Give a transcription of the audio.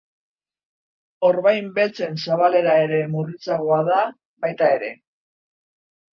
Orbain beltzen zabalera ere murritzagoa da baita ere.